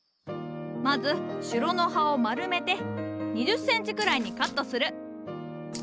まずシュロの葉を丸めて２０センチくらいにカットする。